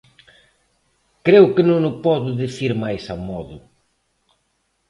Creo que non o podo dicir máis amodo.